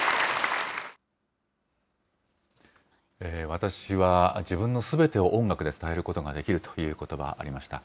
私は自分のすべてを音楽で伝えることができるということば、ありました。